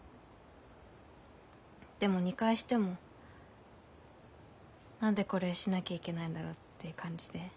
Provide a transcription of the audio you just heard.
でも２回しても「何でこれしなきゃいけないんだろう」って感じで。